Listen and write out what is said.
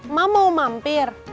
emak mau mampir